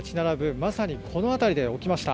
まさにこの辺りで起きました。